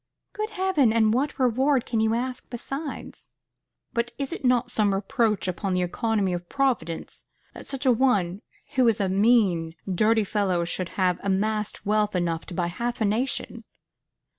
Good heaven! and what reward can you ask besides? "But is it not some reproach upon the economy of Providence that such a one, who is a mean, dirty fellow, should have amassed wealth enough to buy half a nation?"